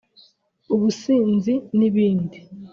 ubusinzi n’ibindi